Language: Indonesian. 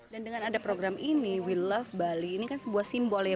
dan dengan ada program ini we love bali ini kan sebuah simbol ya